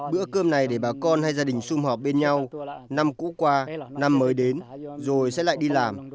bữa cơm này để bà con hay gia đình xung họp bên nhau năm cũ qua năm mới đến rồi sẽ lại đi làm